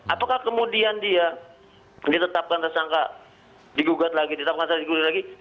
apakah kemudian dia ditetapkan tersangka digugat lagi ditetapkan tersangka digugat lagi